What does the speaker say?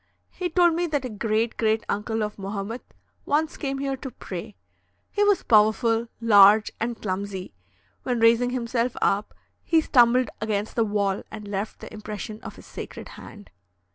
He told me that a great great uncle of Mohamet once came here to pray. He was powerful, large, and clumsy; when raising himself up, he stumbled against the wall and left the impression of his sacred hand.